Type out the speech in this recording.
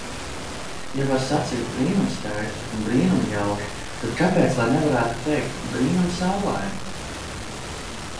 Ja var sacīt brīnumskaisti un brīnumjauki, tad kāpēc lai nevarētu teikt - brīnumsaulaini?